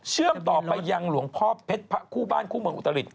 เชื่อมต่อไปยังหลวงพ่อเพชรพระคู่บ้านคู่เมืองอุตริต